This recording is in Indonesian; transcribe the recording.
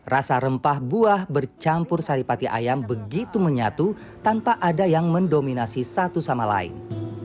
rasa rempah buah bercampur saripati ayam begitu menyatu tanpa ada yang mendominasi satu sama lain